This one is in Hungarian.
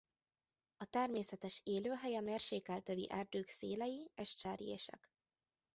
A természetes élőhelye mérsékelt övi erdők szélei és cserjések.